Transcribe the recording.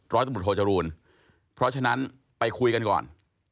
ร้อยสมุทโธจรูนเพราะฉะนั้นไปคุยกันก่อน